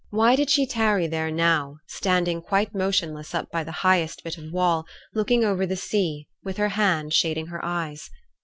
Why did she tarry there now, standing quite motionless up by the highest bit of wall, looking over the sea, with her hand shading her eyes?